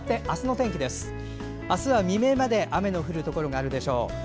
あすは未明まで雨の降るところがあるでしょう。